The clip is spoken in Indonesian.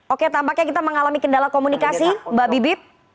oke tampaknya kita mengalami kendala komunikasi mbak bibip